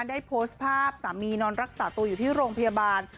ได้โพสต์ภาพสามีนอนรักษาตัวอยู่ที่โรงพยาบาล